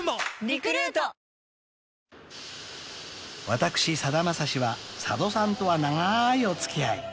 ［私さだまさしは佐渡さんとは長いお付き合い］